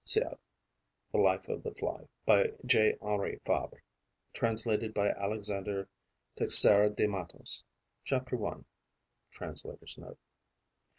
(Cf. "The Life of the Fly", by J. Henri Fabre, translated by Alexander Teixeira de Mattos: chapter 1. Translator's Note.)